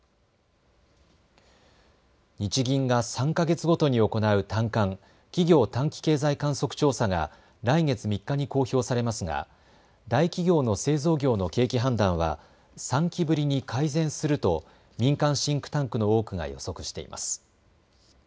日銀が３か月ごとに行う短観・企業短期経済観測調査が来月３日に公表されますが大企業の製造業の景気判断は３期ぶりに改善すると民間シンクタンクの多くが予測しています。